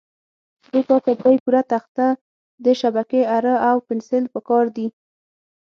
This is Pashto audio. دې کار ته درې پوره تخته، د شبکې اره او پنسل په کار دي.